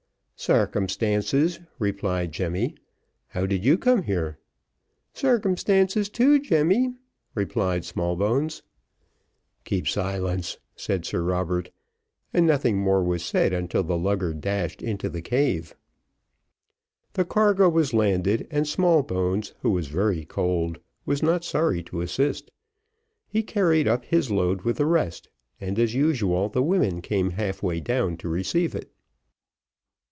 "Sarcumstances," replied Jemmy; "how did you come there?" "Sarcumstances too, Jemmy," replied Smallbones. "Keep silence," said Sir Robert, and nothing more was said until the lugger dashed into the cave. The cargo was landed, and Smallbones who was very cold was not sorry to assist. He carried up his load with the rest, and as usual the women came half way down to receive it.